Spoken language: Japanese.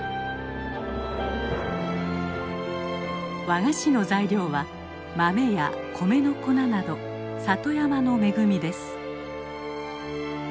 和菓子の材料は豆や米の粉など里山の恵みです。